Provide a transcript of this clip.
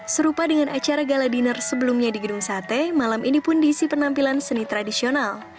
serupa dengan acara gala dinner sebelumnya di gedung sate malam ini pun diisi penampilan seni tradisional